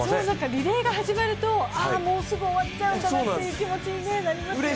リレーが始まると、ああもうすぐ終わっちゃうっていう気持ちになりますよね。